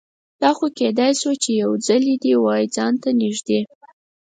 دا خو کیدای شوه چې یوځلې دې وای ځان ته نږدې